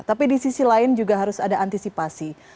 tapi di sisi lain juga harus ada antisipasi